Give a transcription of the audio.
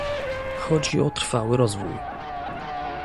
chodzi o trwały rozwój